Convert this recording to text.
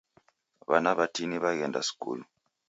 W'ana w'atini w'aghenda skulu.